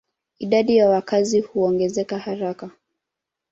Idadi ya wakazi huongezeka haraka.